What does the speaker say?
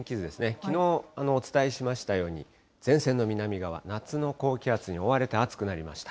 きのうお伝えしましたように、前線の南側、夏の高気圧に覆われて暑くなりました。